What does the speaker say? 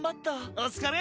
お疲れ！